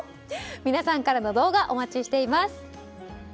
皆さんからの動画お待ちしています。